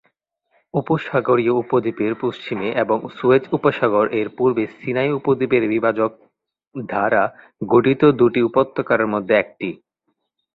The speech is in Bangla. উপসাগরীয় উপদ্বীপের পশ্চিমে এবং সুয়েজ উপসাগর-এর পূর্বে সিনাই উপদ্বীপের বিভাজক দ্বারা গঠিত দুটি উপত্যকার মধ্যে একটি।